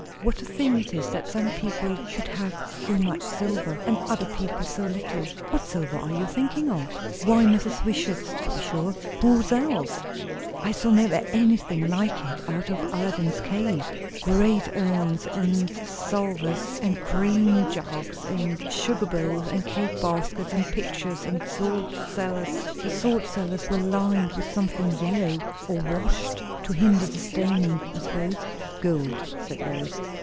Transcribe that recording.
"What a thing it is, that some people should have so much silver, and other people so little!" "What silver are you thinking of?" "Why, Mrs. Wishart's, to be sure. Who's else? I never saw anything like it, out of Aladdin's cave. Great urns, and salvers, and cream jugs, and sugar bowls, and cake baskets, and pitchers, and salt cellars. The salt cellars were lined with something yellow, or washed, to hinder the staining, I suppose." "Gold," said Lois.